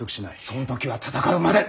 その時は戦うまで。